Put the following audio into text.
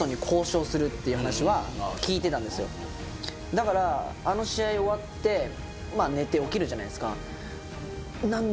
だからあの試合終わって寝て起きるじゃないですか。